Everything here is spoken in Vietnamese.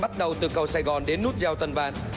bắt đầu từ cầu sài gòn đến nút giao tân bàn